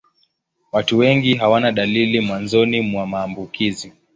Watu wengi hawana dalili mwanzoni mwa maambukizi.